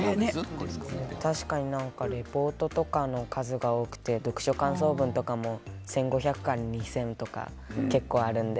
確かにリポートとかの数が多くて読書感想文とかも１５００から２０００とか結構あるので。